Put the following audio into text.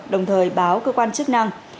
đồng thời báo cơ quan chức năng